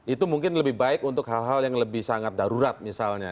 itu mungkin lebih baik untuk hal hal yang lebih sangat darurat misalnya